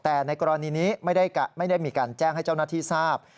แต่ในกรณีนี้ไม่ได้มีการแจ้งให้เจ้าหน้าที่ทราบ